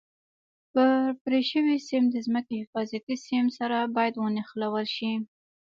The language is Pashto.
یو پرې شوی سیم د ځمکې حفاظتي سیم سره باید ونښلول شي.